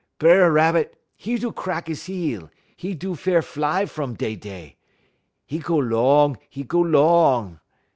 "B'er Rabbit, 'e do crack 'e heel; 'e do fair fly fum dey dey. 'E go 'long, 'e go 'long.